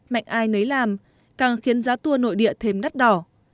mạnh ai nấy làm càng khiến giá tour nội địa thêm đắt đỏ